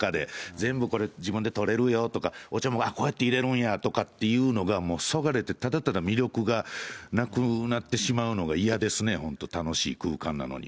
全部これ、自分で取れるよとか、お茶も、あっ、こうやって入れるんやとかっていうのがもうそがれて、ただただ魅力がなくなってしまうのが嫌ですね、本当、楽しい空間なのに。